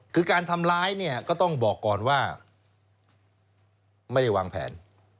คือการทำร้ายเนี่ยก็ต้องบอกก่อนว่าไม่ได้วางแผน